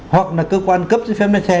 hoặc là cơ quan cấp giấy phép lái xe